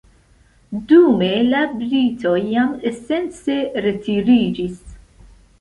Dume, la britoj jam esence retiriĝis.